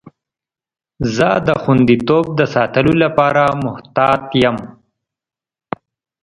زه د خوندیتوب د ساتلو لپاره محتاط یم.